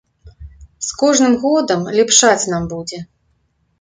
З кожным годам лепшаць нам будзе.